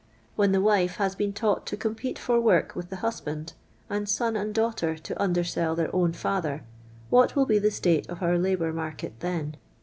When the wife has been taught to compete for work with the husband, and son and daughter to undersell their own father, what will be the state of our labour market then?